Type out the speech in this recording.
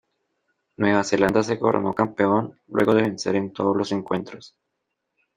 Nueva Zelanda se coronó campeón luego de vencer en todos los encuentros.